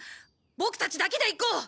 ボクたちだけで行こう！